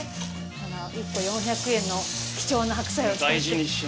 １個４００円の貴重な白菜を使って。